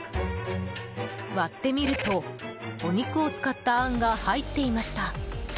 割ってみると、お肉を使ったあんが入っていました。